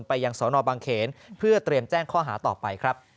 ไปยังสนบางเขนเพื่อเตรียมแจ้งข้อหาต่อไปครับ